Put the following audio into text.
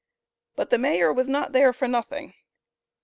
But the mayor was not there for nothing.